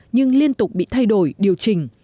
nhưng liên tục bị thay đổi điều chỉnh